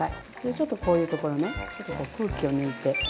ちょっとこういうところねちょっと空気を抜いて。